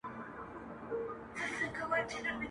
حق ولري که نه